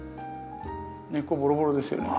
根っこボロボロですよね？